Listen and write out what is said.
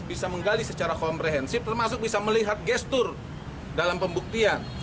bisa menggali secara komprehensif termasuk bisa melihat gestur dalam pembuktian